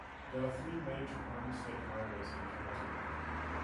There are three major Primary State Highways in the county.